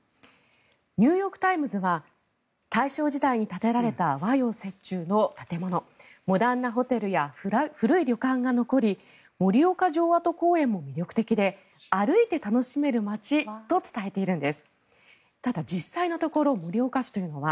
ニューヨーク・タイムズは大正時代に建てられた和洋折衷の建物モダンなホテルや古い旅館が残り盛岡城跡公園も魅力的で歩いて楽しめる街と伝えているんです。